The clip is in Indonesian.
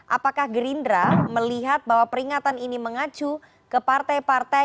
apakah gerindra melihat bahwa peringatan ini mengacu ke partai partai